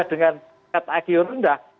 dan k agak rendah